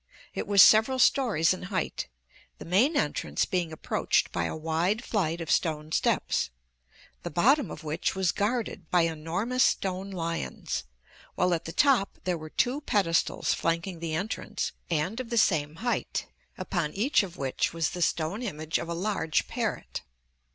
It was several stories in height, the main entrance being approached by a wide flight of stone steps, the bottom of which was guarded by enormous stone lions, while at the top there were two pedestals flanking the entrance and of the same height, upon each of which was the stone image of a large parrot.